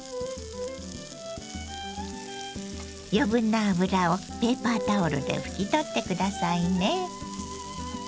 余分な油をペーパータオルで拭き取って下さいね。